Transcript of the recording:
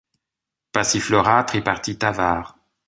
Passiflora tripartita var.